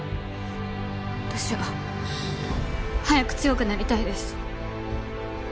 私は早く強くなりたいです。